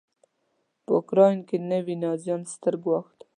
په اوکراین کې نوي نازیان ستر ګواښ دی.